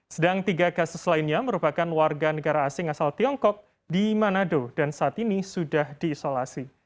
sedang tiga kasus lainnya merupakan warga negara asing asal tiongkok di manado dan saat ini sudah diisolasi